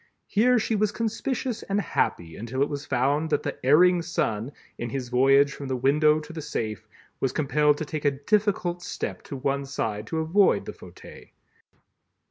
Here she was conspicuous and happy until it was found that the Erring Son in his voyage from the window to the safe, was compelled to take a difficult step to one side to avoid the fauteuil.